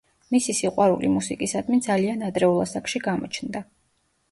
მისი სიყვარული მუსიკისადმი ძალიან ადრეულ ასაკში გამოჩნდა.